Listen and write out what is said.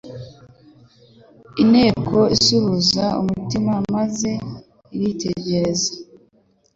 Inteko isuhuza umutima, maze iritegereza.